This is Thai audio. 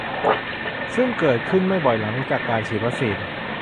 ซึ่งเกิดขึ้นไม่บ่อยหลังจากการฉีดวัคซีน